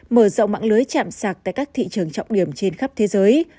mở rộng mạng lưới chạm sạc tại các thị trường trọng điểm trên khắp thế giới